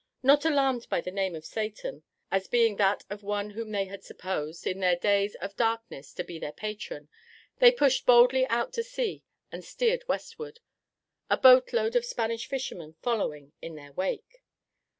Not alarmed at the name of Satan, as being that of one whom they had supposed, in their days of darkness, to be their patron, they pushed boldly out to sea and steered westward, a boat load of Spanish fishermen following in their wake.